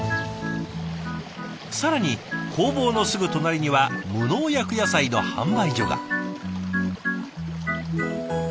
更に工房のすぐ隣には無農薬野菜の販売所が。